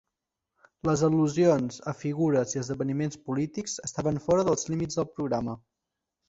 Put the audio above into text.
Les al·lusions a figures i esdeveniments polítics estaven fora dels límits del programa.